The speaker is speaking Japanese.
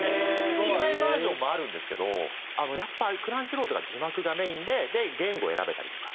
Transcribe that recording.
吹き替えバージョンもあるんですけどやっぱクランチロールとか字幕がメインで言語を選べたりとか。